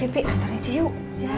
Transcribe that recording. sipik antar aja yuk